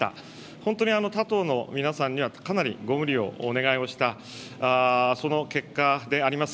本当に他党の皆さんには、かなりご無理をお願いをした、その結果であります。